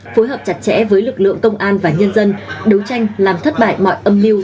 phối hợp chặt chẽ với lực lượng công an và nhân dân đấu tranh làm thất bại mọi âm mưu